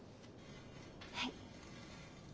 はい。